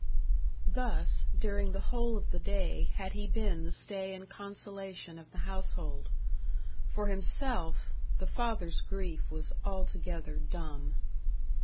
Thus, during the whole of the day, had he been the stay and consolation of the household. For himself the father's grief was altogether dumb.